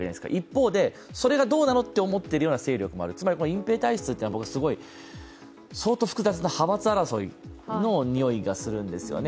一方で、それがどうなのと思っている勢力もあるつまり、隠蔽体質というのは相当複雑な派閥争いのにおいがするんですよね。